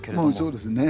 そうですね。